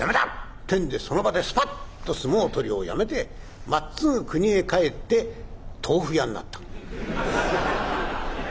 ってんでその場でスパッと相撲取りをやめてまっつぐ国へ帰って豆腐屋になった」。